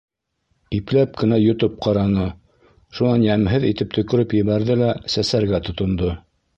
Ипләп кенә йотоп ҡараны, шунан йәмһеҙ итеп төкөрөп ебәрҙе лә сәсәргә тотондо: